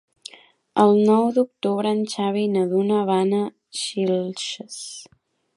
El nou d'octubre en Xavi i na Duna van a Xilxes.